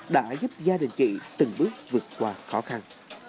đã giúp gia đình chị từng bước vượt qua khó khăn